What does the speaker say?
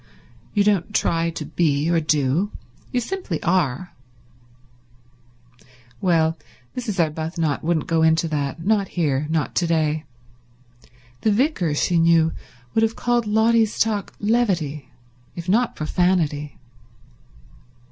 You don't try to be, or do. You simply are." Well, Mrs. Arbuthnot wouldn't go into that—not here, not to day. The vicar, she knew, would have called Lotty's talk levity, if not profanity.